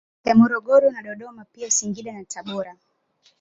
Ya Morogoro na Dodoma pia Singida na Tabora